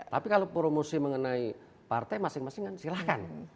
tapi kalau promosi mengenai partai masing masing kan silahkan